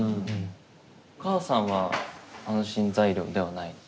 母さんは安心材料ではないの？